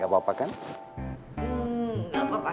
kamu pasti paham hometown itu kayak gimana